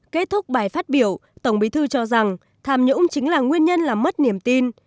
kết thúc bài phát biểu tổng bí thư cho rằng tham nhũng chính là nguyên nhân làm mất niềm tin